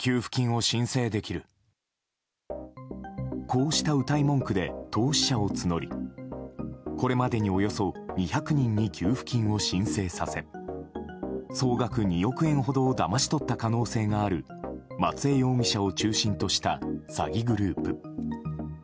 こうした、うたい文句で投資者を募りこれまでにおよそ２００人に給付金を申請させ総額２億円ほどをだまし取った可能性がある松江容疑者を中心とした詐欺グループ。